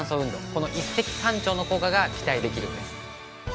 この一石三鳥の効果が期待できるんです。